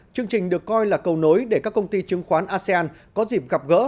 chương trình được coi là cầu nối để các công ty chứng khoán asean có dịp gặp gỡ